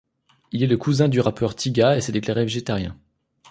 Il est le cousin du rappeur Tyga, et s'est déclaré végétarien.